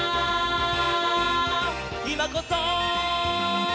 「いまこそ！」